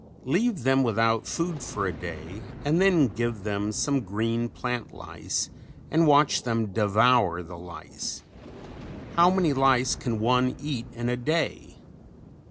Leave them without food for a day and then give them some green plant lice and watch them devour the lice. How many lice can one eat in a day?